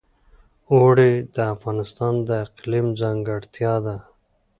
اوړي د افغانستان د اقلیم ځانګړتیا ده.